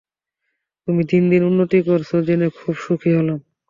তুমি দিন দিন উন্নতি করছ জেনে খুব সুখী হলাম।